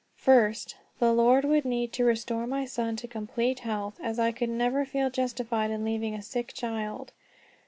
First, the Lord would need to restore my son to complete health, as I could never feel justified in leaving a sick child.